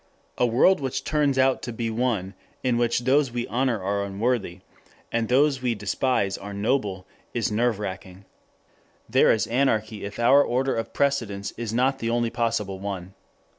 A world which turns out to be one in which those we honor are unworthy, and those we despise are noble, is nerve racking. There is anarchy if our order of precedence is not the only possible one.